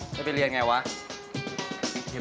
จะไปเรียนอย่างไรวะ